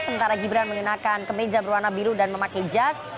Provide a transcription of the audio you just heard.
sementara gibran mengenakan kemeja berwarna biru dan memakai jas